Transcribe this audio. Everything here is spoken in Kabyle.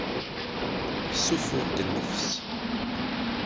Yessuffeɣ-d nnefs.